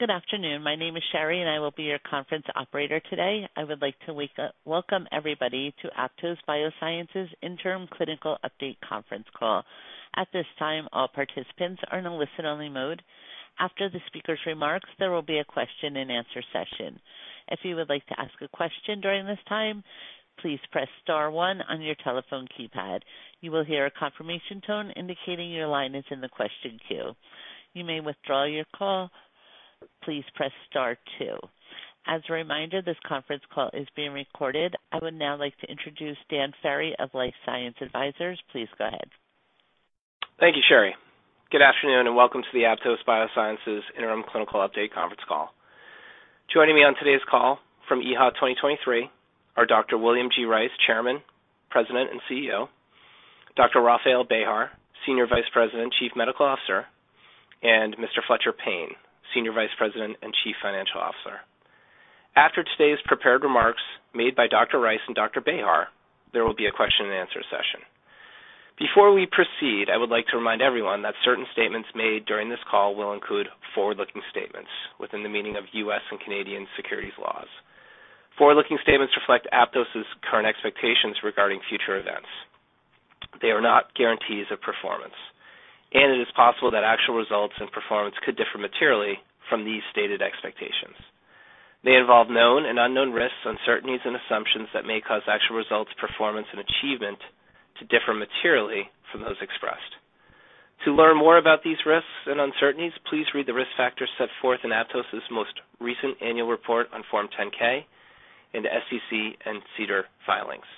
Good afternoon. My name is Sherry. I will be your conference operator today. I would like to welcome everybody to Aptose Biosciences' Interim Clinical Update conference call. At this time, all participants are in a listen-only mode. After the speaker's remarks, there will be a question-and-answer session. If you would like to ask a question during this time, please press star one on your telephone keypad. You will hear a confirmation tone indicating your line is in the question queue. You may withdraw your call. Please press star two. As a reminder, this conference call is being recorded. I would now like to introduce Dan Ferry of LifeSci Advisors. Please go ahead. Thank you, Sherry. Good afternoon. Welcome to the Aptose Biosciences Interim Clinical Update conference call. Joining me on today's call from EHA 2023 are Dr. William G. Rice, Chairman, President, and CEO; Dr. Raphael Behar, Senior Vice President, Chief Medical Officer; and Mr. Fletcher Payne, Senior Vice President and Chief Financial Officer. After today's prepared remarks made by Dr. Rice and Dr. Behar, there will be a question-and-answer session. Before we proceed, I would like to remind everyone that certain statements made during this call will include forward-looking statements within the meaning of U.S. and Canadian securities laws. Forward-looking statements reflect Aptose's current expectations regarding future events. They are not guarantees of performance, and it is possible that actual results and performance could differ materially from these stated expectations. They involve known and unknown risks, uncertainties, and assumptions that may cause actual results, performance, and achievement to differ materially from those expressed. To learn more about these risks and uncertainties, please read the risk factors set forth in Aptose's most recent annual report on Form 10-K in the SEC and SEDAR filings.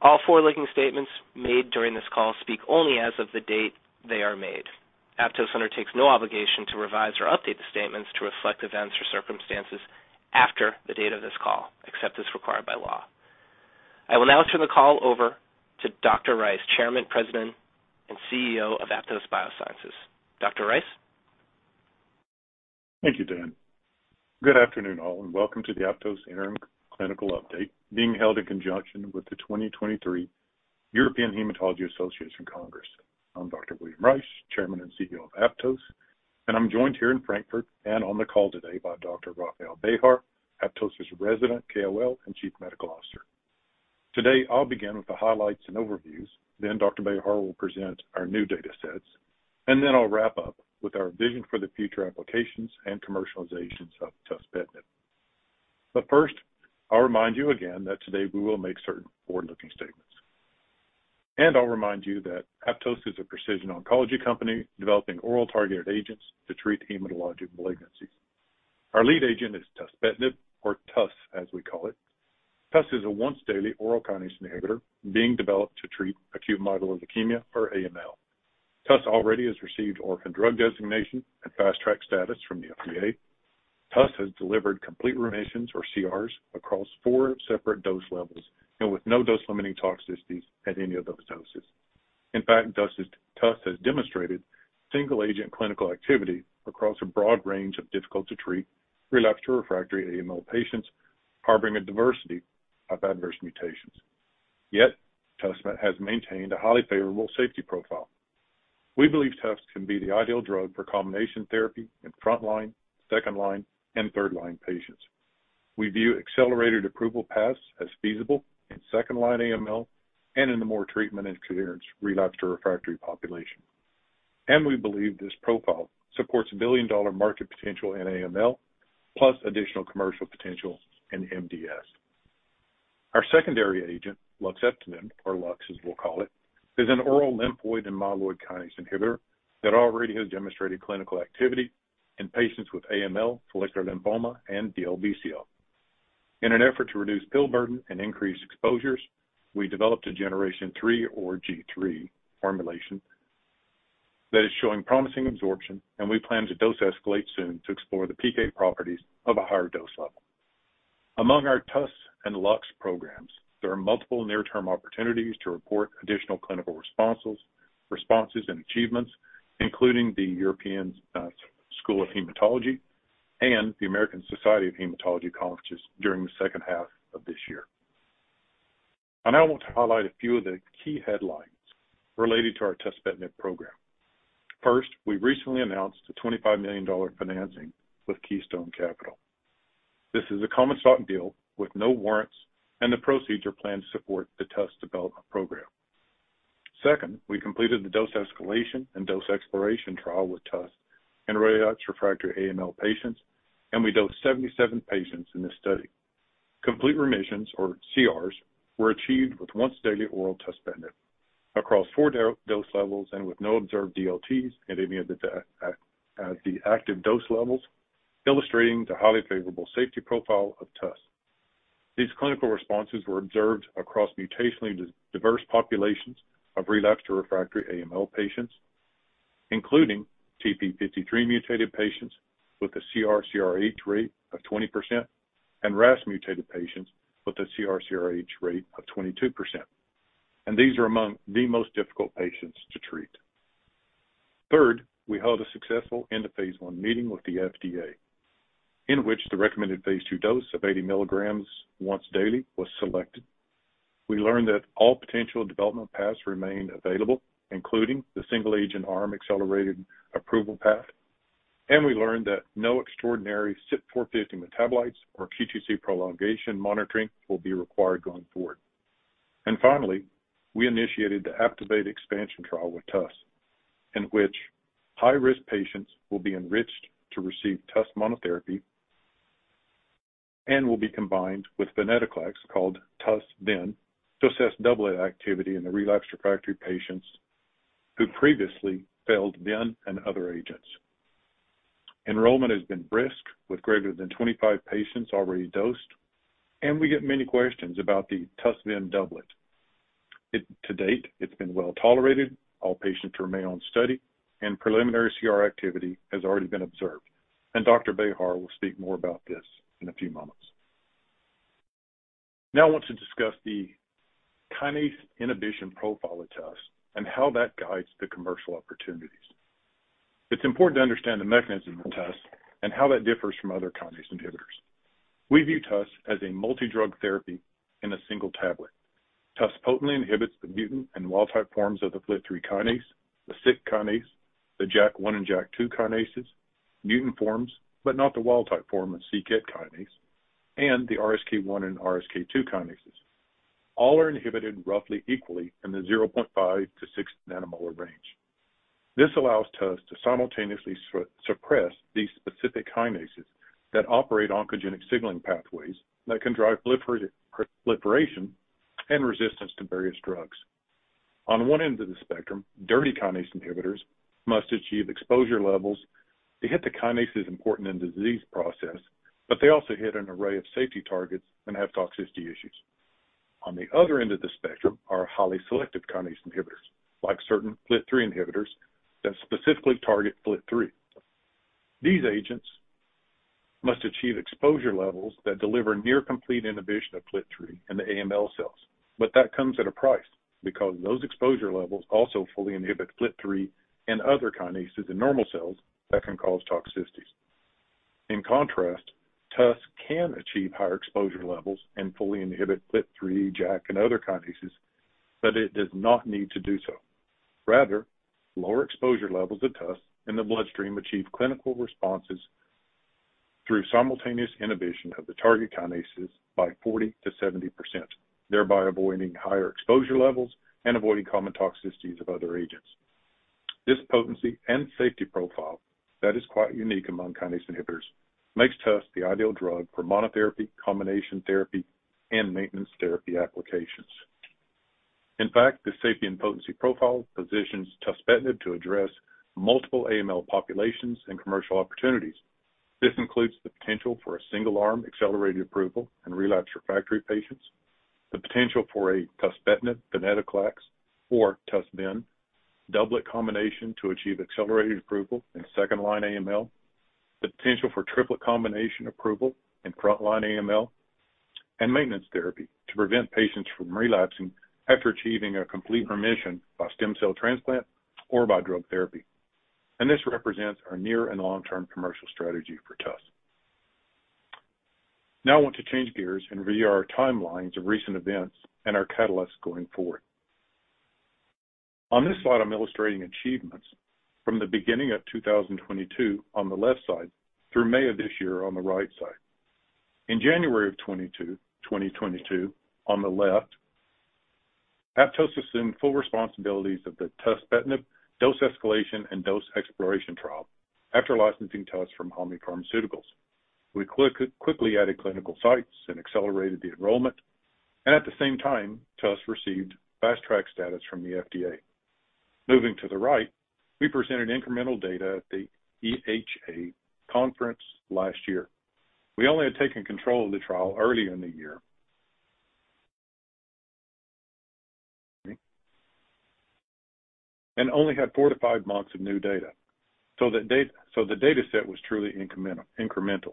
All forward-looking statements made during this call speak only as of the date they are made. Aptose undertakes no obligation to revise or update the statements to reflect events or circumstances after the date of this call, except as required by law. I will now turn the call over to Dr. Rice, Chairman, President, and CEO of Aptose Biosciences. Dr. Rice? Thank you, Dan. Good afternoon, all, and welcome to the Aptose Interim Clinical Update, being held in conjunction with the 2023 European Hematology Association Congress. I'm Dr. William Rice, Chairman and CEO of Aptose, and I'm joined here in Frankfurt and on the call today by Dr. Rafael Behar, Aptose's Resident KOL and Chief Medical Officer. Today, I'll begin with the highlights and overviews, then Dr. Behar will present our new datasets, and then I'll wrap up with our vision for the future applications and commercializations of tuspetinib. First, I'll remind you again that today we will make certain forward-looking statements. I'll remind you that Aptose is a precision oncology company developing oral-targeted agents to treat hematologic malignancies. Our lead agent is tuspetinib, or TUS, as we call it. TUS is a once-daily oral kinase inhibitor being developed to treat acute myeloid leukemia, or AML. TUS already has received Orphan Drug Designation and Fast Track status from the FDA. TUS has delivered complete remissions, or CRs, across four separate dose levels and with no dose-limiting toxicities at any of those doses. In fact, TUS has demonstrated single-agent clinical activity across a broad range of difficult-to-treat relapsed or refractory AML patients harboring a diversity of adverse mutations. TUS has maintained a highly favorable safety profile. We believe TUS can be the ideal drug for combination therapy in frontline, second-line, and third-line patients. We view accelerated approval paths as feasible in second-line AML and in the more treatment-experienced relapsed or refractory population. We believe this profile supports a billion-dollar market potential in AML, plus additional commercial potential in MDS. Our secondary agent, luxeptinib, or LUX, as we'll call it, is an oral lymphoid and myeloid kinase inhibitor that already has demonstrated clinical activity in patients with AML, follicular lymphoma, and DLBCL. In an effort to reduce pill burden and increase exposures, we developed a Generation Three, or G3, formulation that is showing promising absorption, and we plan to dose escalate soon to explore the PK properties of a higher dose level. Among our TUS and LUX programs, there are multiple near-term opportunities to report additional clinical responses and achievements, including the European School of Haematology and the American Society of Hematology conferences during the second half of this year. I now want to highlight a few of the key headlines related to our tuspetinib program. First, we recently announced a $25 million financing with Keystone Capital. This is a common stock deal with no warrants, and the proceeds are planned to support the TUS development program. Second, we completed the dose escalation and dose exploration trial with TUS in relapsed/refractory AML patients, and we dosed 77 patients in this study. Complete remissions, or CRs, were achieved with once-daily oral tuspetinib across four dose levels and with no observed DLTs at the active dose levels, illustrating the highly favorable safety profile of TUS. These clinical responses were observed across mutationally diverse populations of relapsed or refractory AML patients, including TP53-mutated patients with a CR/CRh rate of 20% and RAS-mutated patients with a CR/CRh rate of 22%. These are among the most difficult patients to treat. Third, we held a successful End of phase I meeting with the FDA. in which the recommended phase II dose of 80 mg once daily was selected. We learned that all potential development paths remain available, including the single-agent arm accelerated approval path. We learned that no extraordinary CYP450 metabolites or QTC prolongation monitoring will be required going forward. Finally, we initiated the APTIVATE expansion trial with TUS, in which high-risk patients will be enriched to receive TUS monotherapy and will be combined with venetoclax, called TUS-VEN, to assess doublet activity in the relapsed refractory patients who previously failed VEN and other agents. Enrollment has been brisk, with greater than 25 patients already dosed. We get many questions about the TUS-VEN doublet. To date, it's been well tolerated. All patients remain on study. Preliminary CR activity has already been observed. Dr. Behar will speak more about this in a few moments. I want to discuss the kinase inhibition profile of TUS and how that guides the commercial opportunities. It's important to understand the mechanism of TUS and how that differs from other kinase inhibitors. We view TUS as a multidrug therapy in a single tablet. TUS potently inhibits the mutant and wild-type forms of the FLT3 kinase, the SYK kinase, the JAK1 and JAK2 kinases, mutant forms, but not the wild-type form of KIT kinase, and the RSK1 and RSK2 kinases. All are inhibited roughly equally in the 0.5 nm-6 nm range. This allows TUS to simultaneously suppress these specific kinases that operate oncogenic signaling pathways that can drive proliferation, and resistance to various drugs. On one end of the spectrum, dirty kinase inhibitors must achieve exposure levels to hit the kinases important in the disease process, but they also hit an array of safety targets and have toxicity issues. On the other end of the spectrum are highly selective kinase inhibitors, like certain FLT3 inhibitors that specifically target FLT3. These agents must achieve exposure levels that deliver near complete inhibition of FLT3 in the AML cells, but that comes at a price, because those exposure levels also fully inhibit FLT3 and other kinases in normal cells that can cause toxicities. In contrast, TUS can achieve higher exposure levels and fully inhibit FLT3, JAK, and other kinases, but it does not need to do so. Rather, lower exposure levels of TUS in the bloodstream achieve clinical responses through simultaneous inhibition of the target kinases by 40%-70%, thereby avoiding higher exposure levels and avoiding common toxicities of other agents. This potency and safety profile, that is quite unique among kinase inhibitors, makes TUS the ideal drug for monotherapy, combination therapy, and maintenance therapy applications. In fact, the safety and potency profile positions tuspetinib to address multiple AML populations and commercial opportunities. This includes the potential for a single-arm accelerated approval in relapsed refractory patients, the potential for a tuspetinib, venetoclax, or TUS-VEN doublet combination to achieve accelerated approval in second-line AML, the potential for triplet combination approval in frontline AML, and maintenance therapy to prevent patients from relapsing after achieving a complete remission by stem cell transplant or by drug therapy. This represents our near and long-term commercial strategy for TUS. I want to change gears and review our timelines of recent events and our catalysts going forward. On this slide, I'm illustrating achievements from the beginning of 2022 on the left side, through May of this year on the right side. In January of 2022, on the left, Aptose assumed full responsibilities of the tuspetinib dose escalation and dose exploration trial after licensing TUS from Hanmi Pharmaceutical. We quickly added clinical sites and accelerated the enrollment, at the same time, TUS received fast track status from the FDA. Moving to the right, we presented incremental data at the EHA conference last year. We only had taken control of the trial earlier in the year, only had four to five months of new data, the dataset was truly incremental.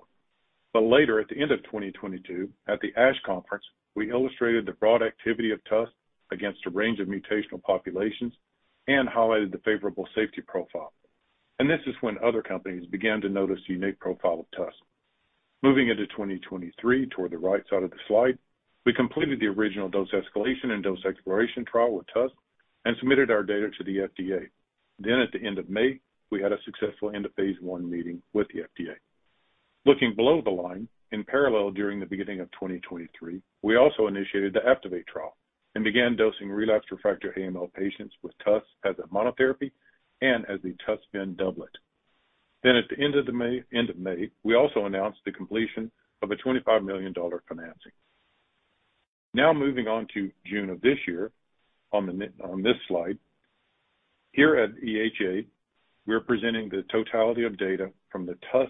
Later, at the end of 2022, at the ASH conference, we illustrated the broad activity of TUS against a range of mutational populations and highlighted the favorable safety profile. This is when other companies began to notice the unique profile of TUS. Moving into 2023, toward the right side of the slide, we completed the original dose escalation and dose exploration trial with TUS and submitted our data to the FDA. At the end of May, we had a successful end of phase I meeting with the FDA. Looking below the line, in parallel, during the beginning of 2023, we also initiated the APTIVATE trial and began dosing relapsed refractory AML patients with TUS as a monotherapy and as a TUS-VEN doublet. At the end of May, we also announced the completion of a $25 million financing. moving on to June of this year, on this slide. Here at EHA, we are presenting the totality of data from the TUS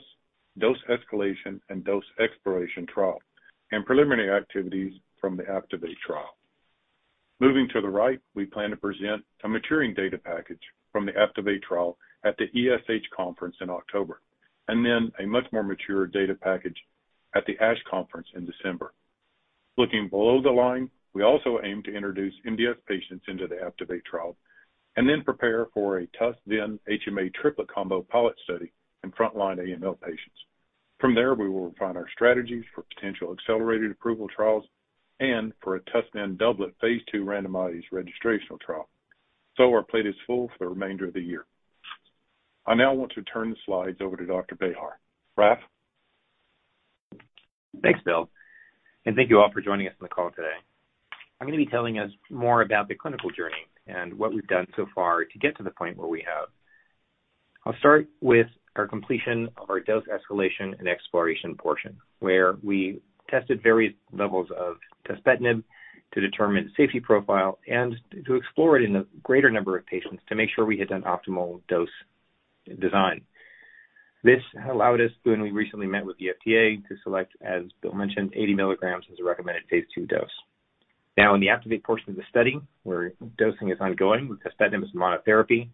dose escalation and dose exploration trial, and preliminary activities from the APTIVATE trial. Moving to the right, we plan to present a maturing data package from the APTIVATE trial at the ESH conference in October, and then a much more mature data package at the ASH conference in December. Looking below the line, we also aim to introduce MDS patients into the APTIVATE trial and then prepare for a TUS-VIN-HMA triplet combo pilot study in frontline AML patients. From there, we will refine our strategies for potential accelerated approval trials and for a TUS-VIN doublet phase II randomized registrational trial. our plate is full for the remainder of the year. I now want to turn the slides over to Dr. Behar. Raf? Thanks, Will, and thank you all for joining us on the call today. I'm going to be telling us more about the clinical journey and what we've done so far to get to the point where we have. I'll start with our completion of our dose escalation and exploration portion, where we tested various levels of tuspetinib to determine safety profile and to explore it in a greater number of patients to make sure we had an optimal dose design. This allowed us, when we recently met with the FDA, to select, as Will mentioned, 80 mg as a recommended phase II dose. Now, in the APTIVATE portion of the study, where dosing is ongoing with tuspetinib as monotherapy,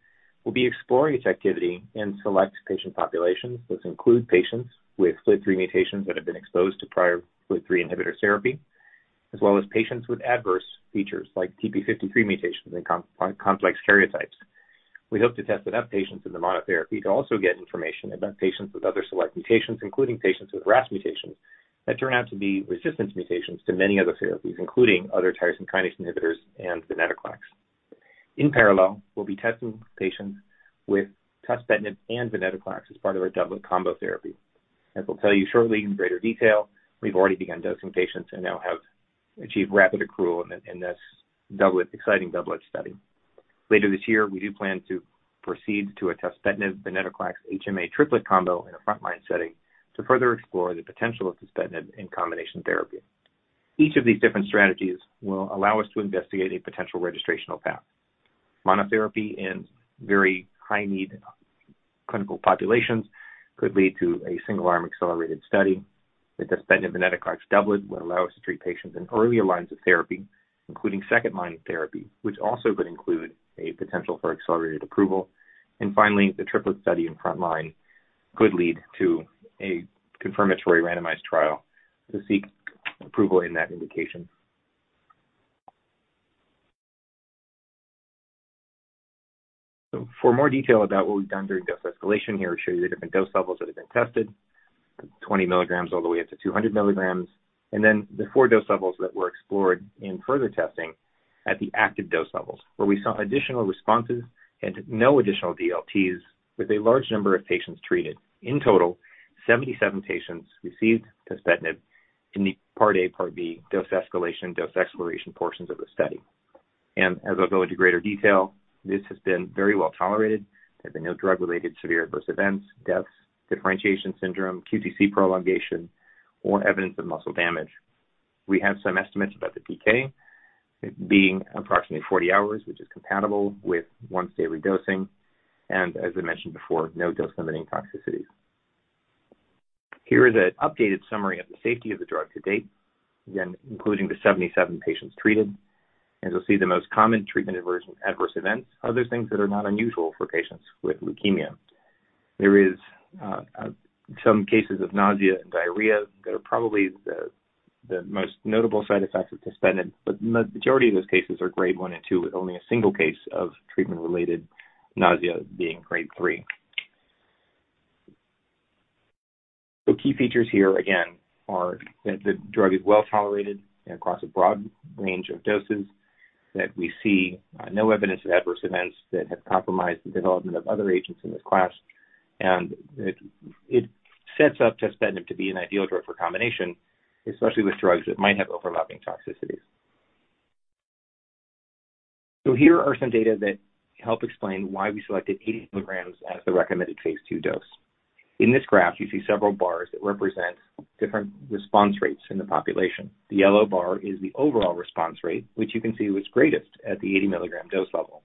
we'll be exploring its activity in select patient populations. This includes patients with FLT3 mutations that have been exposed to prior FLT3 inhibitor therapy, as well as patients with adverse features like TP53 mutations and complex stereotypes. We hope to test enough patients in the monotherapy to also get information about patients with other select mutations, including patients with RAS mutations that turn out to be resistant to mutations to many other therapies, including other tyrosine kinase inhibitors and venetoclax. In parallel, we'll be testing patients with tuspetinib and venetoclax as part of our doublet combo therapy. As I'll tell you shortly in greater detail, we've already begun dosing patients and now have achieved rapid accrual in this doublet, exciting doublet study. Later this year, we do plan to proceed to a tuspetinib, venetoclax, HMA triplet combo in a frontline setting to further explore the potential of tuspetinib in combination therapy. Each of these different strategies will allow us to investigate a potential registrational path. Monotherapy in very high-need clinical populations could lead to a single-arm accelerated study. The tuspetinib, venetoclax doublet would allow us to treat patients in earlier lines of therapy, including second-line therapy, which also could include a potential for accelerated approval. Finally, the triplet study in frontline could lead to a confirmatory randomized trial to seek approval in that indication. For more detail about what we've done during dose escalation, here we show you the different dose levels that have been tested, 20 mg all the way up to 200 mg, and then the four dose levels that were explored in further testing at the active dose levels, where we saw additional responses and no additional DLTs with a large number of patients treated. In total, 77 patients received tuspetinib in the Part A, Part B, dose escalation, dose exploration portions of the study. As I'll go into greater detail, this has been very well tolerated. There have been no drug-related severe adverse events, deaths, differentiation syndrome, QTc prolongation, or evidence of muscle damage. We have some estimates about the PK being approximately 40 hours, which is compatible with once-daily dosing, and as I mentioned before, no dose-limiting toxicities. Here is an updated summary of the safety of the drug to date, again, including the 77 patients treated. As you'll see, the most common treatment adverse events are those things that are not unusual for patients with leukemia. There is some cases of nausea and diarrhea that are probably the most notable side effects of tuspetinib, but the majority of those cases are grade one and two, with only a single case of treatment-related nausea being grade three. The key features here again are that the drug is well tolerated across a broad range of doses, that we see no evidence of adverse events that have compromised the development of other agents in this class, and that it sets up tuspetinib to be an ideal drug for combination, especially with drugs that might have overlapping toxicities. Here are some data that help explain why we selected 80 mg as the recommended phase II dose. In this graph, you see several bars that represent different response rates in the population. The yellow bar is the overall response rate, which you can see was greatest at the 80 mg dose level.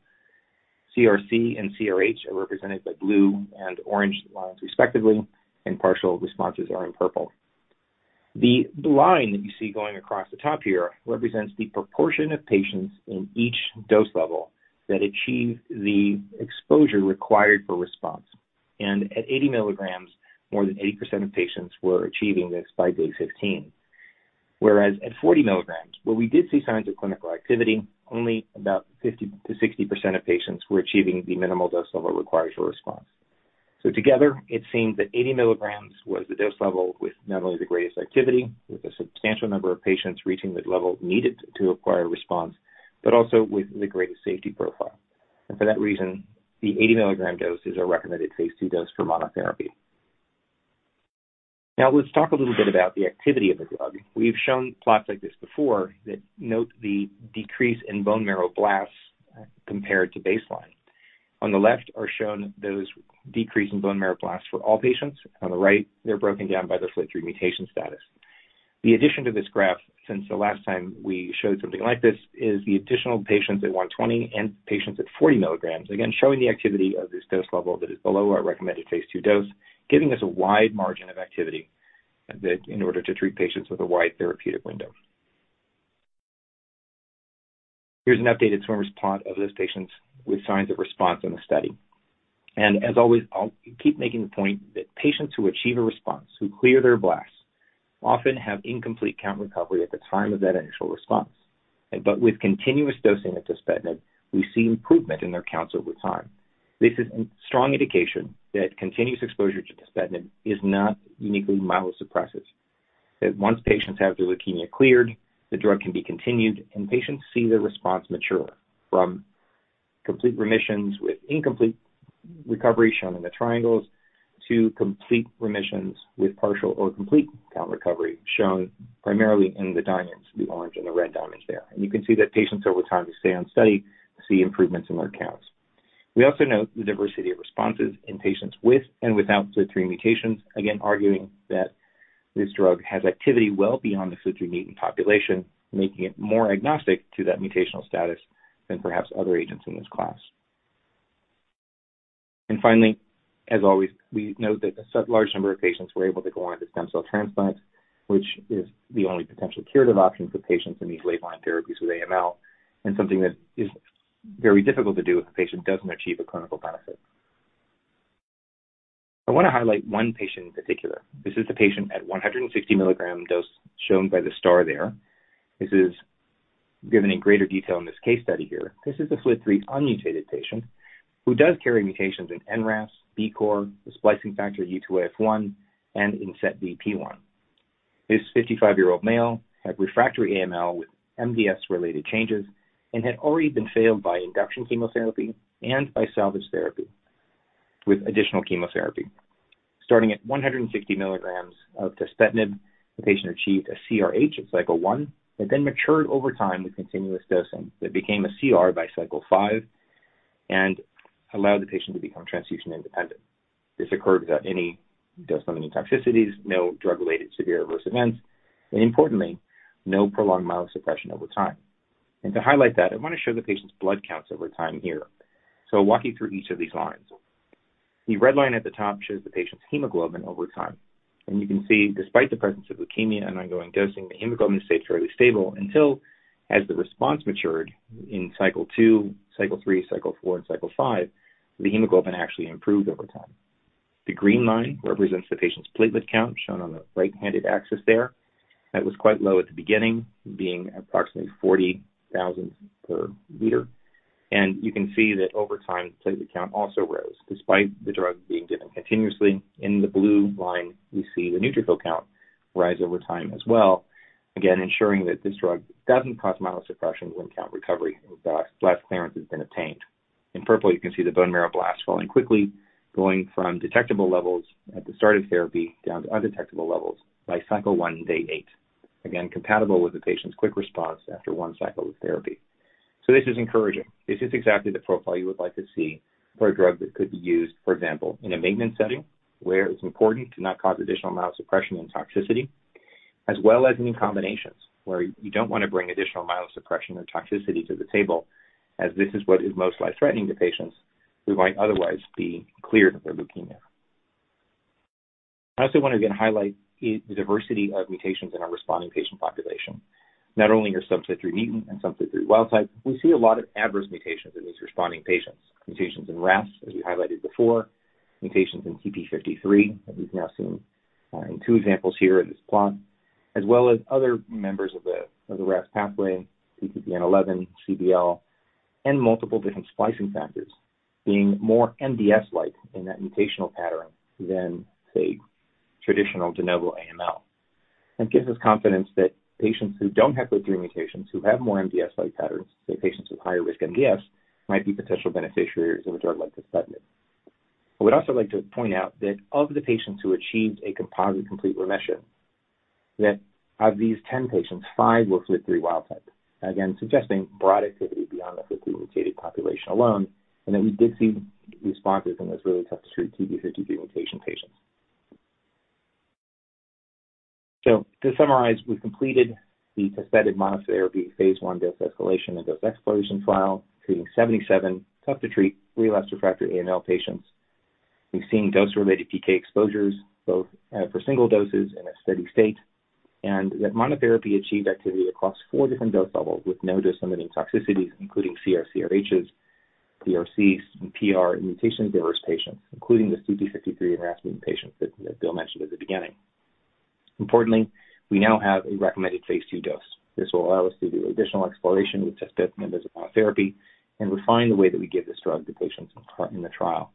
CRcs and CRh are represented by blue and orange lines respectively, and partial responses are in purple. The line that you see going across the top here represents the proportion of patients in each dose level that achieve the exposure required for response. At 80 mg, more than 80% of patients were achieving this by day 15, whereas at 40 mg, where we did see signs of clinical activity, only about 50%-60% of patients were achieving the minimal dose level required for response. Together, it seems that 80 mg was the dose level with not only the greatest activity, with a substantial number of patients reaching the level needed to acquire a response, but also with the greatest safety profile. For that reason, the 80 mg dose is our recommended phase II dose for monotherapy. Let's talk a little bit about the activity of the drug. We've shown plots like this before that note the decrease in bone marrow blasts compared to baseline. On the left are shown those decrease in bone marrow blasts for all patients. On the right, they're broken down by the FLT3 mutation status. The addition to this graph since the last time we showed something like this is the additional patients at 120 mg and patients at 40 mg. Again, showing the activity of this dose level that is below our recommended phase II dose, giving us a wide margin of activity that in order to treat patients with a wide therapeutic window. Here's an updated swimmer's plot of those patients with signs of response in the study. As always, I'll keep making the point that patients who achieve a response, who clear their blasts, often have incomplete count recovery at the time of that initial response. With continuous dosing of tuspetinib, we see improvement in their counts over time. This is a strong indication that continuous exposure to tuspetinib is not uniquely myelosuppressive, that once patients have their leukemia cleared, the drug can be continued, and patients see their response mature from complete remissions with incomplete recovery, shown in the triangles, to complete remissions with partial or complete count recovery, shown primarily in the diamonds, the orange and the red diamonds there. You can see that patients over time who stay on study see improvements in their counts. We also note the diversity of responses in patients with and without FLT3 mutations, again, arguing that this drug has activity well beyond the FLT3 mutant population, making it more agnostic to that mutational status than perhaps other agents in this class. Finally, as always, we note that a large number of patients were able to go on to stem cell transplants, which is the only potential curative option for patients in these late-line therapies with AML, and something that is very difficult to do if the patient doesn't achieve a clinical benefit. I want to highlight one patient in particular. This is the patient at 160 mg dose shown by the star there. This is given in greater detail in this case study here. This is the FLT3 unmutated patient who does carry mutations in NRAS, BCOR, the splicing factor U2AF1, and in SETBP1. This 55-year-old male had refractory AML with MDS-related changes and had already been failed by induction chemotherapy and by salvage therapy with additional chemotherapy. Starting at 160 mg of tuspetinib, the patient achieved a CRh at cycle one and then matured over time with continuous dosing. That became a CR by cycle five and allowed the patient to become transfusion independent. This occurred without any dose-limiting toxicities, no drug-related severe adverse events, and importantly, no prolonged myelosuppression over time. To highlight that, I want to show the patient's blood counts over time here. I'll walk you through each of these lines. The red line at the top shows the patient's hemoglobin over time, and you can see despite the presence of leukemia and ongoing dosing, the hemoglobin stays fairly stable until, as the response matured in cycle two, cycle three, cycle four, and cycle five, the hemoglobin actually improved over time. The green line represents the patient's platelet count, shown on the right-handed axis there. That was quite low at the beginning, being approximately 40,000 per liter. You can see that over time, the platelet count also rose, despite the drug being given continuously. In the blue line, we see the neutrophil count rise over time as well. Again, ensuring that this drug doesn't cause myelosuppression when count recovery or blast clearance has been obtained. In purple, you can see the bone marrow blast falling quickly, going from detectable levels at the start of therapy down to undetectable levels by cycle one, day eight. Again, compatible with the patient's quick response after one cycle of therapy. This is encouraging. This is exactly the profile you would like to see for a drug that could be used, for example, in a maintenance setting, where it's important to not cause additional myelosuppression and toxicity, as well as any combinations where you don't want to bring additional myelosuppression or toxicity to the table, as this is what is most life-threatening to patients who might otherwise be cleared of their leukemia. I also want to again highlight the diversity of mutations in our responding patient population. Not only in your substructure mutant and substructure wild type, we see a lot of adverse mutations in these responding patients. Mutations in RAS, as we highlighted before, mutations in TP53, as we've now seen, in two examples here in this plot, as well as other members of the, of the RAS pathway, PTPN11, CBL, and multiple different splicing factors, being more MDS-like in that mutational pattern than, say, traditional de novo AML. That gives us confidence that patients who don't have those three mutations, who have more MDS-like patterns, say, patients with higher risk MDS, might be potential beneficiaries of a drug like tuspetinib. I would also like to point out that of the patients who achieved a composite complete remission, that of these 10 patients, five were FLT3 wild type. Again, suggesting broad activity beyond the FLT3 mutated population alone, and that we did see responses in those really tough-to-treat TP53 mutation patients. To summarize, we completed the tuspetinib monotherapy phase I dose escalation and dose exploration trial, treating 77 tough-to-treat relapsed/refractory AML patients. We've seen dose-related PK exposures, both for single doses in a steady state, and that monotherapy achieved activity across four different dose levels with no dose-limiting toxicities, including CR/CRhs, CRcs, and PR in mutation-diverse patients, including the TP53 and RAS mutant patients that Bill mentioned at the beginning. Importantly, we now have a recommended phase II dose. This will allow us to do additional exploration with tuspetinib as a monotherapy and refine the way that we give this drug to patients in the trial.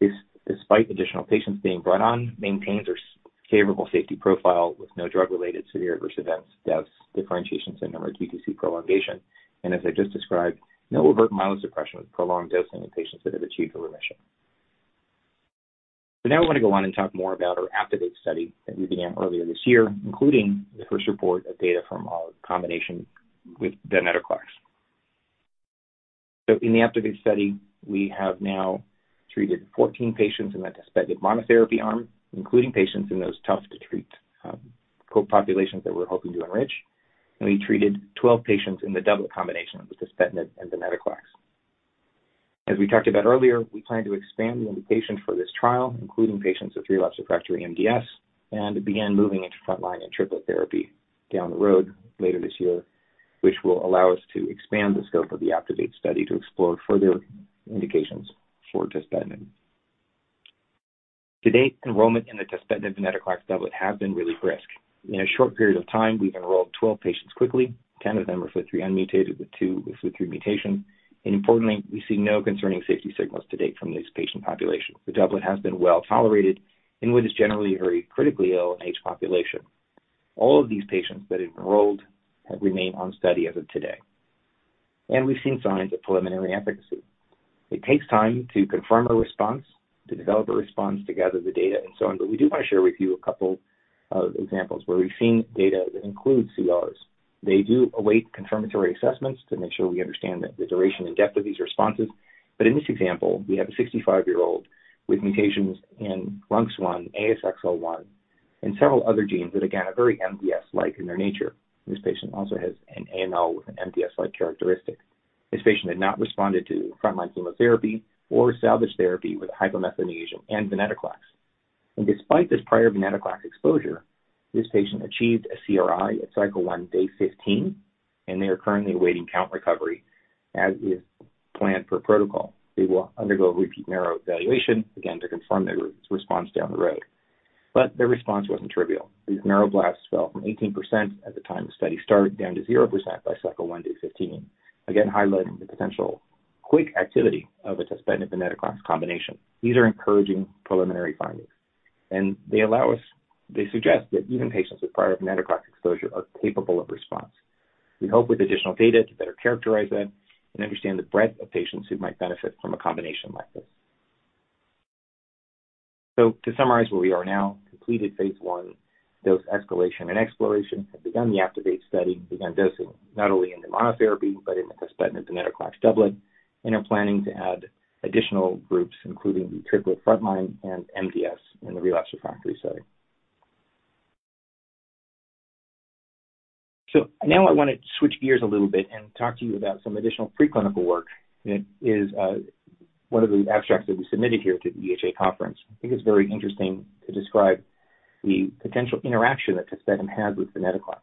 This, despite additional patients being brought on, maintains a favorable safety profile with no drug-related severe adverse events, deaths, differentiation syndrome, or QTC prolongation. As I just described, no overt myelosuppression with prolonged dosing in patients that have achieved a remission. Now I want to go on and talk more about our APTIVATE study that we began earlier this year, including the first report of data from our combination with venetoclax. In the APTIVATE study, we have now treated 14 patients in that tuspetinib monotherapy arm, including patients in those tough-to-treat copopulations that we're hoping to enrich. We treated 12 patients in the double combination of the tuspetinib and venetoclax. As we talked about earlier, we plan to expand the indication for this trial, including patients with relapsed/refractory MDS, and begin moving into frontline and triplet therapy down the road later this year, which will allow us to expand the scope of the APTIVATE study to explore further indications for tuspetinib. To date, enrollment in the tuspetinib venetoclax doublet have been really brisk. In a short period of time, we've enrolled 12 patients quickly. 10 of them are FLT3N mutated, with two with FLT3 mutation. Importantly, we see no concerning safety signals to date from this patient population. The doublet has been well-tolerated in what is generally a very critically ill and aged population. All of these patients that enrolled have remained on study as of today, and we've seen signs of preliminary efficacy. It takes time to confirm a response, to develop a response, to gather the data, and so on, but we do want to share with you a couple of examples where we've seen data that includes CRs. They do await confirmatory assessments to make sure we understand the duration and depth of these responses. In this example, we have a 65-year-old with mutations in RUNX1, ASXL1, and several other genes that, again, are very MDS-like in their nature. This patient also has an AML with an MDS-like characteristic. This patient had not responded to frontline chemotherapy or salvage therapy with hypomethylation and venetoclax. Despite this prior venetoclax exposure, this patient achieved a CRi at cycle one, day 15, and they are currently awaiting count recovery, as is planned per protocol. They will undergo a repeat marrow evaluation, again, to confirm their response down the road. Their response wasn't trivial. These neuroblasts fell from 18% at the time the study started, down to 0% by cycle one, day 15. Again, highlighting the potential quick activity of a tuspetinib venetoclax combination. These are encouraging preliminary findings, and they suggest that even patients with prior venetoclax exposure are capable of response. We hope with additional data to better characterize that and understand the breadth of patients who might benefit from a combination like this. To summarize where we are now: completed phase I dose escalation and exploration, have begun the APTIVATE study, begun dosing not only in the monotherapy, but in the tuspetinib venetoclax doublet, and are planning to add additional groups, including the triplet frontline and MDS in the relapsed/refractory setting. Now I want to switch gears a little bit and talk to you about some additional preclinical work that is one of the abstracts that we submitted here to the EHA conference. I think it's very interesting to describe the potential interaction that tuspetinib has with venetoclax.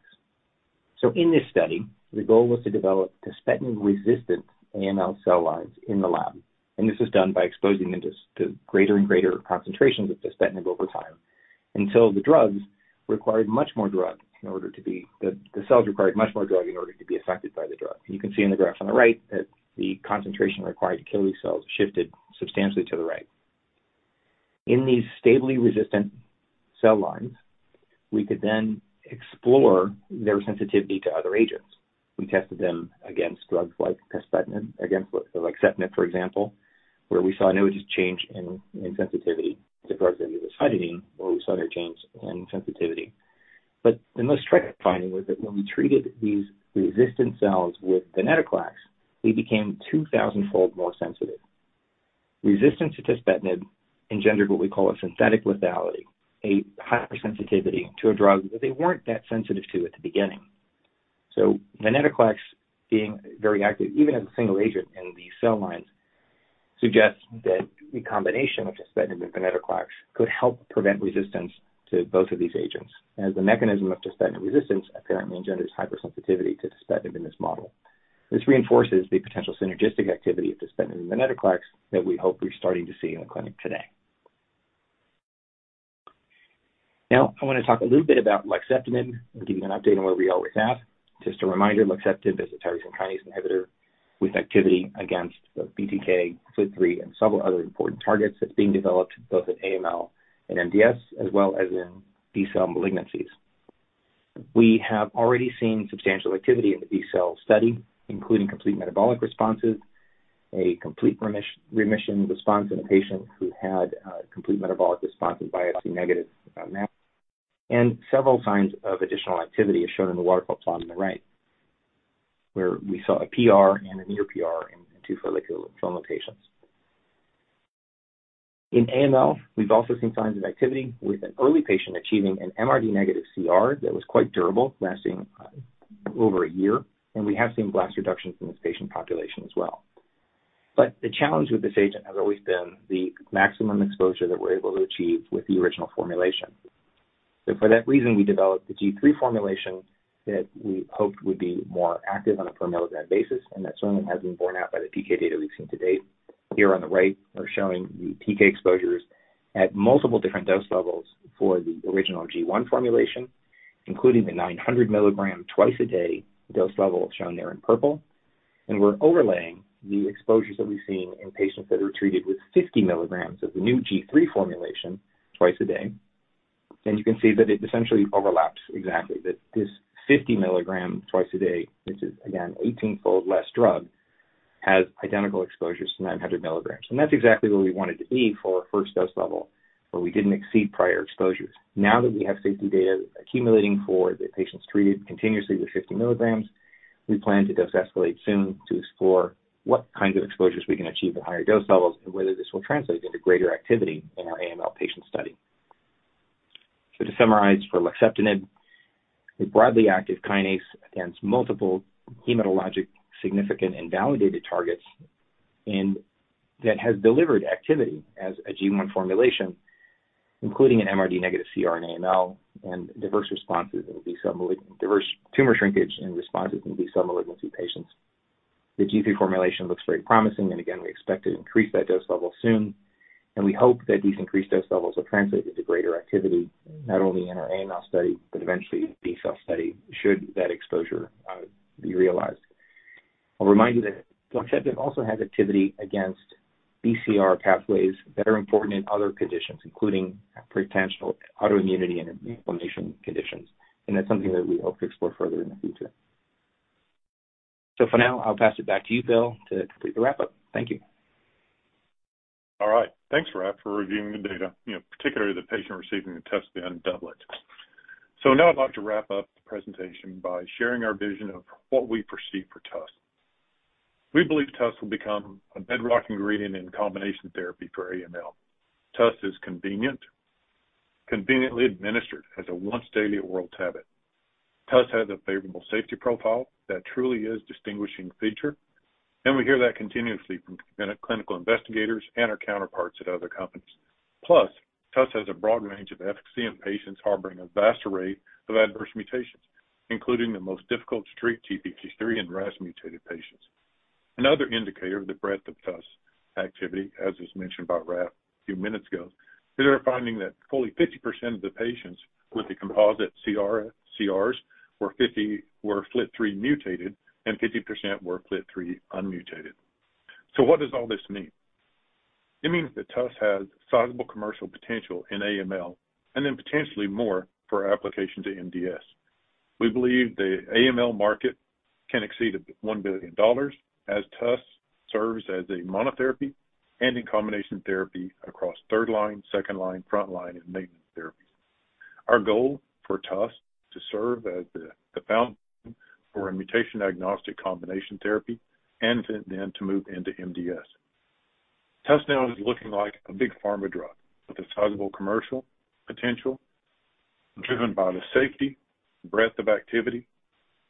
In this study, the goal was to develop tuspetinib-resistant AML cell lines in the lab, and this was done by exposing them to greater and greater concentrations of tuspetinib over time, until the drugs required much more drug in order to be... The cells required much more drug in order to be affected by the drug. You can see in the graph on the right that the concentration required to kill these cells shifted substantially to the right. In these stably resistant cell lines, we could then explore their sensitivity to other agents. We tested them against drugs like tuspetinib, against luxeptinib, for example, where we saw no change in sensitivity to drugs like sorafenib, where we saw no change in sensitivity. The most striking finding was that when we treated these resistant cells with venetoclax, they became 2,000-fold more sensitive. Resistance to tuspetinib engendered what we call a synthetic lethality, a hypersensitivity to a drug that they weren't that sensitive to at the beginning. venetoclax being very active, even as a single agent in these cell lines, suggests that the combination of tuspetinib and venetoclax could help prevent resistance to both of these agents, as the mechanism of tuspetinib resistance apparently engenders hypersensitivity to tuspetinib in this model. This reinforces the potential synergistic activity of tuspetinib and venetoclax that we hope we're starting to see in the clinic today. I want to talk a little bit about luxeptinib and give you an update on where we always have. Just a reminder, luxeptinib is a tyrosine kinase inhibitor with activity against the BTK, FLT3, and several other important targets that's being developed both in AML and MDS, as well as in B-cell malignancies. We have already seen substantial activity in the B-cell study, including complete metabolic responses, a complete remission response in a patient who had a complete metabolic response and BIAC negative about now, and several signs of additional activity, as shown in the waterfall plot on the right, where we saw a PR and a near PR in two follicular lymphoma patients. AML, we've also seen signs of activity, with an early patient achieving an MRD negative CR that was quite durable, lasting over a year, and we have seen blast reductions in this patient population as well. The challenge with this agent has always been the maximum exposure that we're able to achieve with the original formulation. For that reason, we developed the G3 formulation that we hoped would be more active on a per milligram basis. That certainly has been borne out by the PK data we've seen to date. Here on the right, we're showing the PK exposures at multiple different dose levels for the original G1 formulation, including the 900 mg twice a day dose level shown there in purple. We're overlaying the exposures that we've seen in patients that are treated with 50 milligrams of the new G3 formulation twice a day. You can see that it essentially overlaps exactly. That this 50 mg twice a day, which is again, 18-fold less drug, has identical exposures to 900 mg. That's exactly where we wanted to be for our first dose level, where we didn't exceed prior exposures. Now that we have safety data accumulating for the patients treated continuously with 50 mg, we plan to dose escalate soon to explore what kinds of exposures we can achieve at higher dose levels and whether this will translate into greater activity in our AML patient study. To summarize for luxeptinib, a broadly active kinase against multiple hematologic significant and validated targets, and that has delivered activity as a G1 formulation, including an MRD negative CRAML and diverse responses in B-cell diverse tumor shrinkage and responses in B-cell malignancy patients. The G3 formulation looks very promising, and again, we expect to increase that dose level soon, and we hope that these increased dose levels will translate into greater activity, not only in our AML study, but eventually B-cell study, should that exposure be realized. I'll remind you that luxeptinib also has activity against BCR pathways that are important in other conditions, including potential autoimmunity and inflammation conditions, and that's something that we hope to explore further in the future. For now, I'll pass it back to you, Will, to complete the wrap-up. Thank you. All right. Thanks, Raf, for reviewing the data, you know, particularly the patient receiving the TUS-VEN doublet. Now I'd like to wrap up the presentation by sharing our vision of what we perceive for TUS. We believe TUS will become a bedrock ingredient in combination therapy for AML. TUS is convenient, conveniently administered as a once-daily oral tablet. TUS has a favorable safety profile that truly is a distinguishing feature, and we hear that continuously from clinical investigators and our counterparts at other companies. TUS has a broad range of efficacy in patients harboring a vast array of adverse mutations, including the most difficult-to-treat TP53 and RAS-mutated patients. Another indicator of the breadth of TUS activity, as was mentioned by Raf a few minutes ago, is our finding that fully 50% of the patients with the composite CRs were 50% FLT3 mutated, and 50% were FLT3 unmutated. What does all this mean? It means that TUS has sizable commercial potential in AML and then potentially more for application to MDS. We believe the AML market can exceed $1 billion as TUS serves as a monotherapy and in combination therapy across third line, second line, front line, and maintenance therapy. Our goal for TUS is to serve as the foundation for a mutation-agnostic combination therapy and to then to move into MDS. TUS now is looking like a big pharma drug with a sizable commercial potential, driven by the safety, breadth of activity,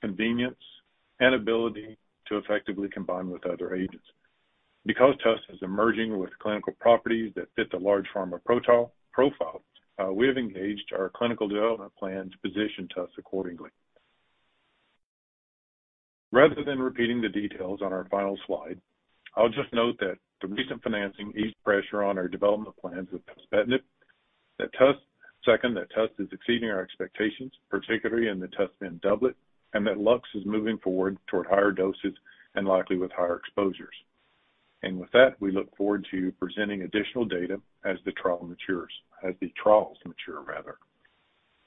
convenience, and ability to effectively combine with other agents. Because TUS is emerging with clinical properties that fit the large pharma proto- profile, we have engaged our clinical development plan to position TUS accordingly. Rather than repeating the details on our final slide, I'll just note that the recent financing eased pressure on our development plans with tuspetinib, that TUS is exceeding our expectations, particularly in the TUS doublet, and that LUX is moving forward toward higher doses and likely with higher exposures. With that, we look forward to presenting additional data as the trials mature, rather.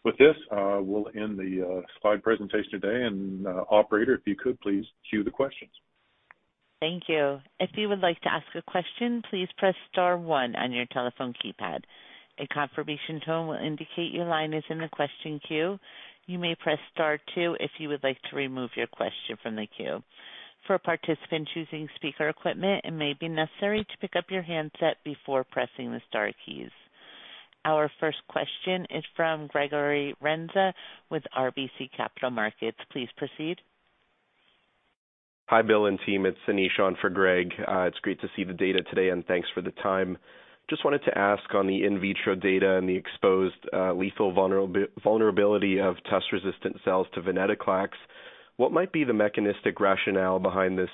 With this, we'll end the slide presentation today, and operator, if you could please cue the questions. Thank you. If you would like to ask a question, please press star one on your telephone keypad. A confirmation tone will indicate your line is in the question queue. You may press star two if you would like to remove your question from the queue. For a participant choosing speaker equipment, it may be necessary to pick up your handset before pressing the star keys. Our first question is from Gregory Renza with RBC Capital Markets. Please proceed. Hi, Will and team. It's Anishan for Greg. It's great to see the data today, and thanks for the time. Just wanted to ask on the in-vitro data and the exposed, lethal vulnerability of TUS-resistant cells to venetoclax, what might be the mechanistic rationale behind this,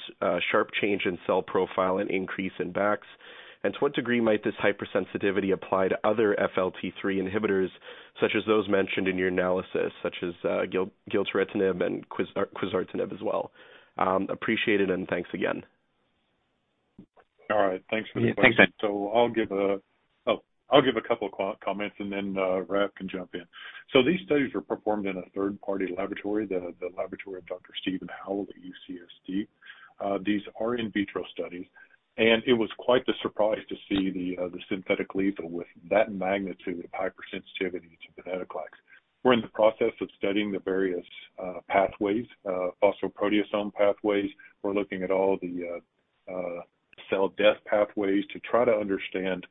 sharp change in cell profile and increase in BAX? To what degree might this hypersensitivity apply to other FLT3 inhibitors, such as those mentioned in your analysis, such as, gilteritinib and quizartinib as well? Appreciate it, and thanks again. All right, thanks for the question. Yeah, thanks. I'll give a couple of comments, and then, Raf can jump in. These studies were performed in a third-party laboratory, the laboratory of Dr. Stephen Howell at UCSD. These are in vitro studies, and it was quite the surprise to see the synthetic lethal with that magnitude of hypersensitivity to venetoclax. We're in the process of studying the various pathways, phosphoproteasome pathways. We're looking at all the cell death pathways to try to understand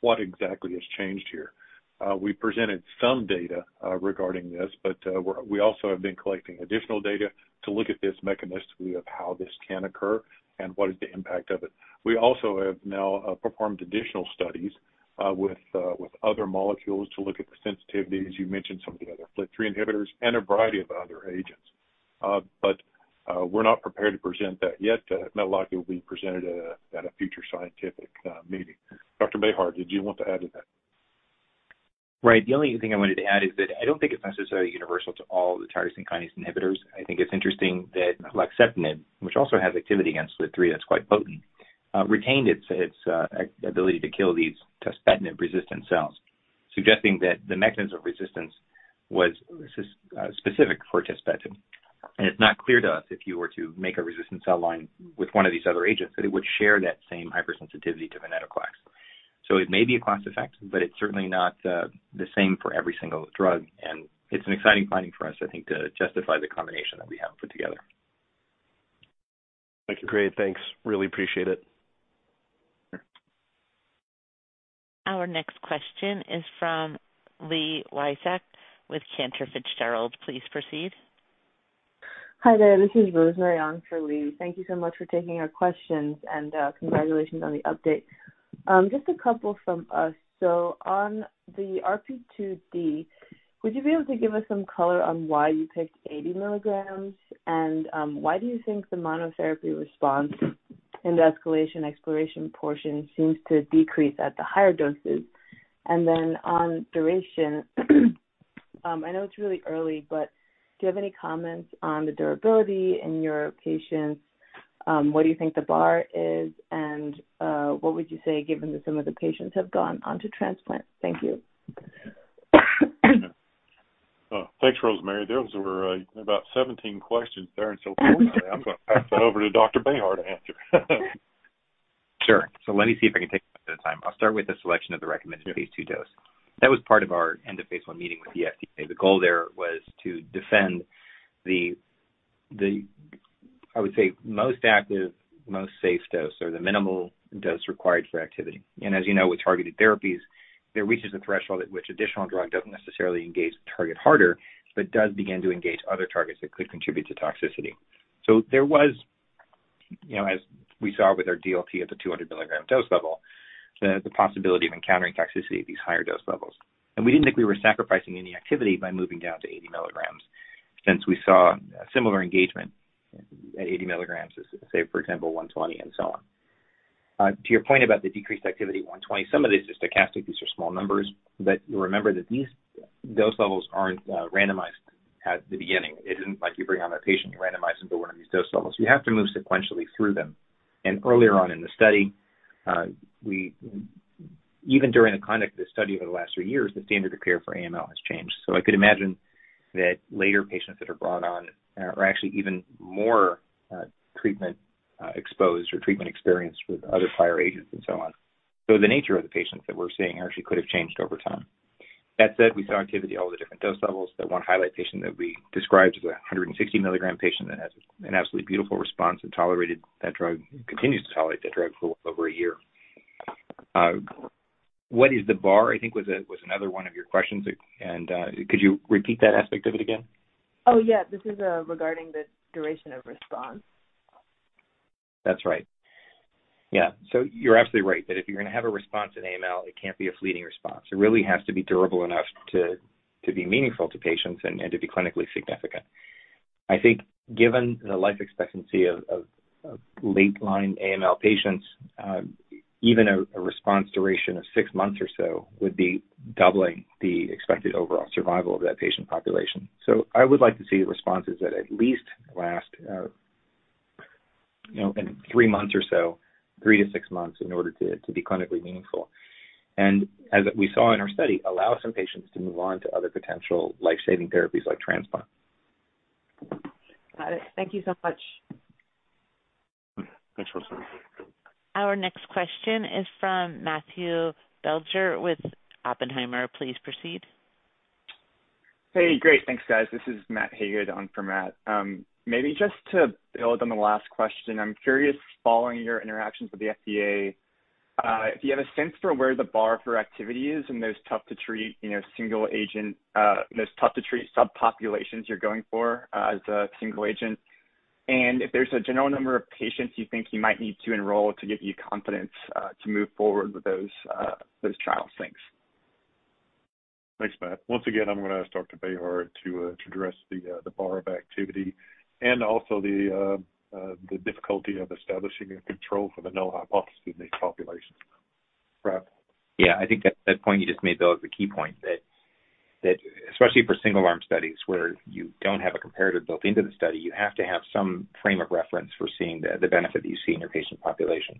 what exactly has changed here. We presented some data regarding this, but we also have been collecting additional data to look at this mechanistically, of how this can occur and what is the impact of it. We also have now performed additional studies with other molecules to look at the sensitivity, as you mentioned, some of the other FLT3 inhibitors and a variety of other agents. We're not prepared to present that yet. It will likely be presented at a future scientific meeting. Dr. Behar, did you want to add to that? Right. The only thing I wanted to add is that I don't think it's necessarily universal to all the tyrosine kinase inhibitors. I think it's interesting that luxeptinib, which also has activity against FLT3 that's quite potent, retained its ability to kill these tuspetinib-resistant cells, suggesting that the mechanism of resistance was specific for tuspetinib. It's not clear to us, if you were to make a resistant cell line with one of these other agents, that it would share that same hypersensitivity to venetoclax. It may be a class effect, but it's certainly not, the same for every single drug, and it's an exciting finding for us, I think, to justify the combination that we have put together. Great, thanks. Really appreciate it. Our next question is from Li Watsek with Cantor Fitzgerald. Please proceed. Hi there. This is Rosemarie on for Li. Thank you so much for taking our questions, and congratulations on the update. Just a couple from us. On the RP2D, would you be able to give us some color on why you picked 80 mg? Why do you think the monotherapy response in the escalation exploration portion seems to decrease at the higher doses? On duration, I know it's really early, but do you have any comments on the durability in your patients? What do you think the bar is, and what would you say, given that some of the patients have gone on to transplant? Thank you. Thanks, Rosemary. Those were about 17 questions there, and so I'm gonna pass that over to Dr. Behar to answer. Sure. Let me see if I can take them at a time. I'll start with the selection of the recommended phase II dose. That was part of our end of phase I meeting with the FDA. The goal there was to defend the, I would say, most active, most safe dose or the minimal dose required for activity. As you know, with targeted therapies, there reaches a threshold at which additional drug doesn't necessarily engage the target harder, but does begin to engage other targets that could contribute to toxicity. There was, you know, as we saw with our DLT at the 200 mg dose level, the possibility of encountering toxicity at these higher dose levels. We didn't think we were sacrificing any activity by moving down to 80 mg since we saw a similar engagement at 80 mg as, say, for example, 120 and so on. To your point about the decreased activity 120, some of this is stochastic, these are small numbers, but you remember that these dose levels aren't randomized at the beginning. It isn't like you bring on a patient, you randomize them to one of these dose levels. You have to move sequentially through them. Earlier on in the study, we, even during the conduct of the study over the last three years, the standard of care for AML has changed. I could imagine that later, patients that are brought on, are actually even more treatment exposed or treatment experienced with other prior agents and so on. The nature of the patients that we're seeing actually could have changed over time. That said, we saw activity at all the different dose levels. That one highlight patient that we described as a 160 mg patient that has an absolutely beautiful response and tolerated that drug, continues to tolerate that drug for over a year. What is the bar? I think was another one of your questions. Could you repeat that aspect of it again? Oh, yeah. This is regarding the duration of response. That's right. Yeah. You're absolutely right that if you're gonna have a response in AML, it can't be a fleeting response. It really has to be durable enough to be meaningful to patients and to be clinically significant. I think, given the life expectancy of late-line AML patients, even a response duration of six months or so would be doubling the expected overall survival of that patient population. I would like to see responses that at least last, you know, three months or so, three or six months, in order to be clinically meaningful. As we saw in our study, allow some patients to move on to other potential life-saving therapies like transplant. Got it. Thank you so much. Thanks, Rosemary. Our next question is from Matthew Biegler with Oppenheimer. Please proceed. Hey, great. Thanks, guys. This is Matt Hagar on for Matt. Maybe just to build on the last question, I'm curious, following your interactions with the FDA, if you have a sense for where the bar for activity is in those tough-to-treat, you know, single-agent, those tough-to-treat subpopulations you're going for as a single agent, and if there's a general number of patients you think you might need to enroll to give you confidence to move forward with those trial things? Thanks, Matt. Once again, I'm gonna ask Dr. Behar to address the bar of activity and also the difficulty of establishing a control for the null hypothesis in these populations. Raf? Yeah, I think that point you just made, Will, is a key point, that especially for single-arm studies where you don't have a comparative built into the study, you have to have some frame of reference for seeing the benefit that you see in your patient population.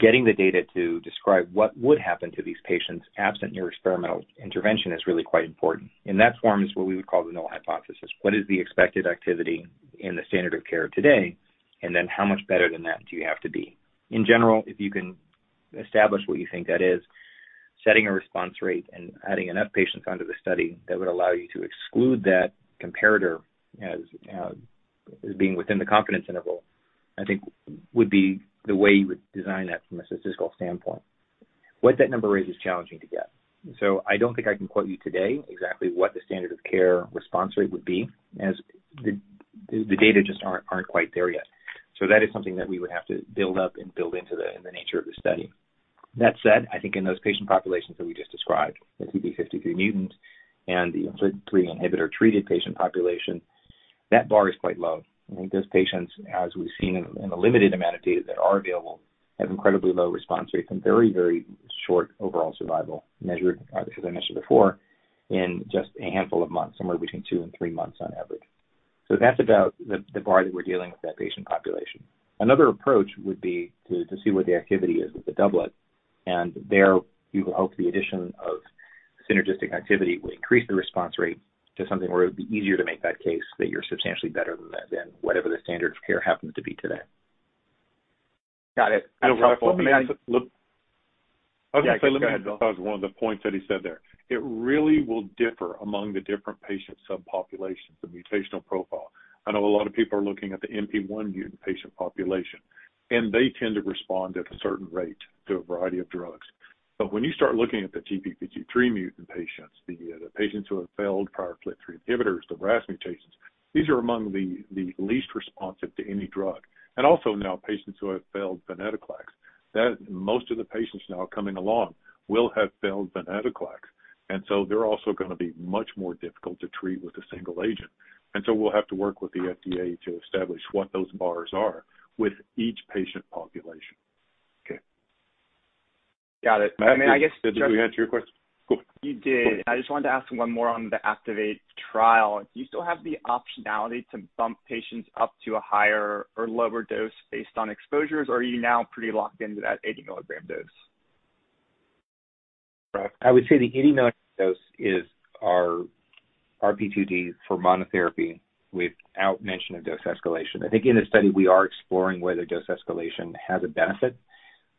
Getting the data to describe what would happen to these patients absent your experimental intervention is really quite important, and that form is what we would call the null hypothesis. What is the expected activity in the standard of care today? How much better than that do you have to be? In general, if you can establish what you think that is, setting a response rate and adding enough patients onto the study, that would allow you to exclude that comparator as being within the confidence interval, I think would be the way you would design that from a statistical standpoint. What that number is challenging to get. I don't think I can quote you today exactly what the standard of care response rate would be, as the data just aren't quite there yet. That is something that we would have to build up and build into the, in the nature of the study. That said, I think in those patient populations that we just described, the TP53 mutant and the FLT3 inhibitor-treated patient population, that bar is quite low. I think those patients, as we've seen in the limited amount of data that are available, have incredibly low response rates and very, very short overall survival, measured, as I mentioned before, in just a handful of months, somewhere between two and three months on average. That's about the bar that we're dealing with that patient population. Another approach would be to see what the activity is with the doublet, and there you would hope the addition of synergistic activity would increase the response rate to something where it would be easier to make that case, that you're substantially better than that, than whatever the standard of care happens to be today. Got it. I'll try to look. Okay, so go ahead, because one of the points that he said there, it really will differ among the different patient subpopulations, the mutational profile. I know a lot of people are looking at the NPM1 mutant patient population, and they tend to respond at a certain rate to a variety of drugs. When you start looking at the TP53 mutant patients, the patients who have failed prior FLT3 inhibitors, the RAS mutations, these are among the least responsive to any drug. Also now patients who have failed venetoclax, that most of the patients now coming along will have failed venetoclax. They're also gonna be much more difficult to treat with a single agent. We'll have to work with the FDA to establish what those bars are with each patient population. Okay. Got it. I mean. Did we answer your question? Cool. You did. I just wanted to ask one more on the APTIVATE trial. Do you still have the optionality to bump patients up to a higher or lower dose based on exposures, or are you now pretty locked into that 80 mg dose? Right. I would say the 80 mg dose is our P2D for monotherapy without mention of dose escalation. I think in the study, we are exploring whether dose escalation has a benefit,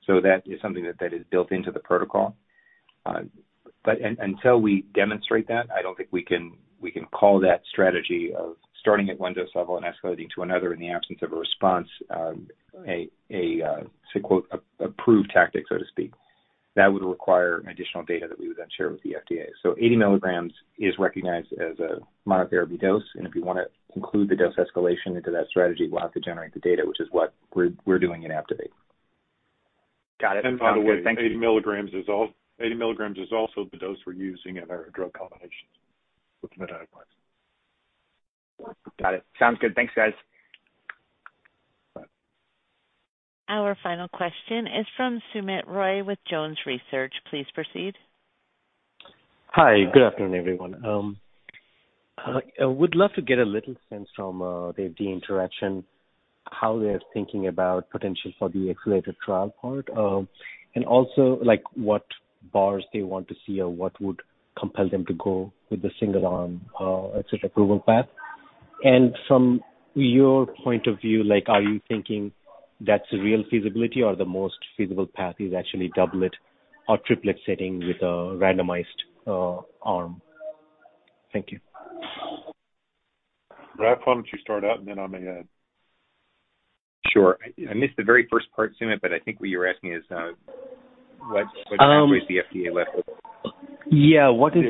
so that is something that is built into the protocol. Until we demonstrate that, I don't think we can call that strategy of starting at one dose level and escalating to another in the absence of a response, a, say, quote, "approved tactic," so to speak. That would require additional data that we would then share with the FDA. 80 mg is recognized as a monotherapy dose, and if we wanna include the dose escalation into that strategy, we'll have to generate the data, which is what we're doing in APTIVATE. Got it. By the way, 80 mg is also the dose we're using in our drug combinations with venetoclax. Got it. Sounds good. Thanks, guys. Bye. Our final question is from Soumit Roy with Jones Research. Please proceed. Hi, good afternoon, everyone. I would love to get a little sense from the FDA interaction, how they're thinking about potential for the accelerated trial part, and also, like, what bars they want to see or what would compel them to go with the single arm, et cetera, approval path. From your point of view, like, are you thinking that's a real feasibility or the most feasible path is actually doublet or triplet setting with a randomized arm? Thank you. Raf, why don't you start out and then I may add. Sure. I missed the very first part, Soumit, but I think what you were asking is, what the FDA left with? Yeah. What will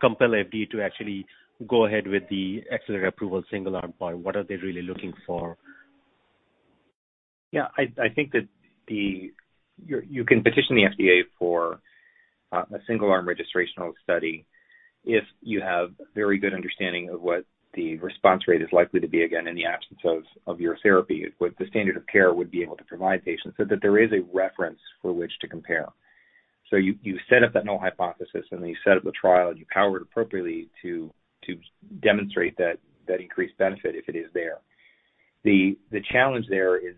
compel FDA to actually go ahead with the accelerated approval single arm part? What are they really looking for? Yeah, I think that the. You can petition the FDA for a single-arm registrational study if you have a very good understanding of what the response rate is likely to be, again, in the absence of your therapy, what the standard of care would be able to provide patients, so that there is a reference for which to compare. You set up that null hypothesis, and then you set up the trial, and you power it appropriately to demonstrate that increased benefit, if it is there. The challenge there is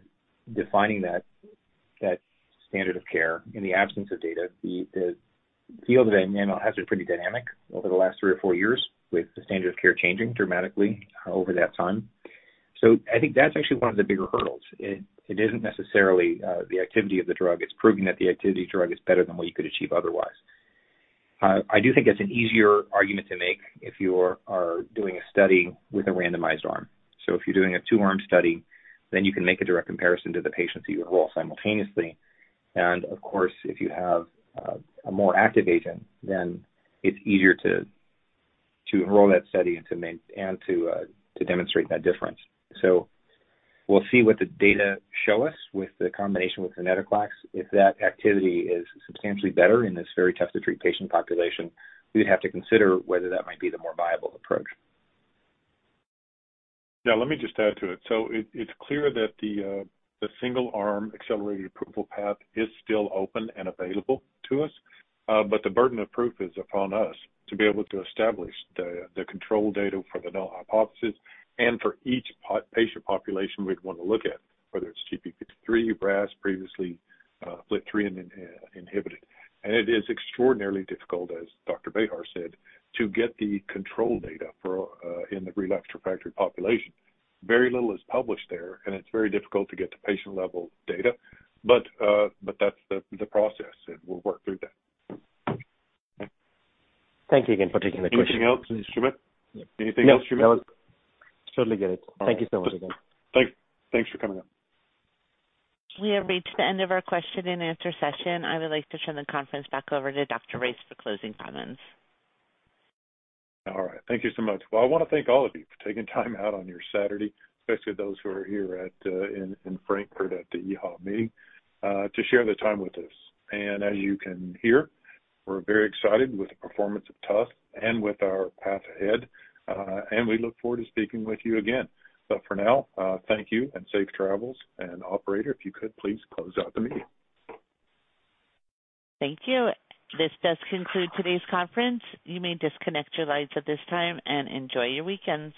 defining that standard of care in the absence of data. The field of mRNA has been pretty dynamic over the last three or four years, with the standard of care changing dramatically over that time. I think that's actually one of the bigger hurdles. It isn't necessarily the activity of the drug. It's proving that the activity drug is better than what you could achieve otherwise. I do think it's an easier argument to make if you are doing a study with a randomized arm. If you're doing a two-arm study, then you can make a direct comparison to the patients that you enroll simultaneously. Of course, if you have a more active agent, then it's easier to enroll that study and to demonstrate that difference. We'll see what the data show us with the combination with venetoclax. If that activity is substantially better in this very tested treat patient population, we'd have to consider whether that might be the more viable approach. Yeah, let me just add to it. It's clear that the single-arm accelerated approval path is still open and available to us, but the burden of proof is upon us to be able to establish the control data for the null hypothesis and for each patient population we'd want to look at, whether it's TP53, RAS, previously, FLT3 inhibited. It is extraordinarily difficult, as Dr. Behar said, to get the control data for in the relapsed refractory population. Very little is published there, and it's very difficult to get the patient-level data, but that's the process, and we'll work through that. Thank you again for taking the question. Anything else, Soumit? No, that was... Totally get it. All right. Thank you so much again. Thanks for coming up. We have reached the end of our question-and-answer session. I would like to turn the conference back over to Dr. Rice for closing comments. All right. Thank you so much. Well, I wanna thank all of you for taking time out on your Saturday, especially those who are here at in Frankfurt at the EHA meeting, to share the time with us. As you can hear, we're very excited with the performance of TUS and with our path ahead, and we look forward to speaking with you again. For now, thank you and safe travels. Operator, if you could please close out the meeting. Thank you. This does conclude today's conference. You may disconnect your lines at this time and enjoy your weekends.